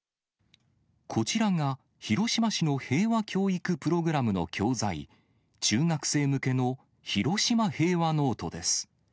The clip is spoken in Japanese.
こちらが、広島市の平和教育プログラムの教材、中学生向けのひろしま平和ノートです。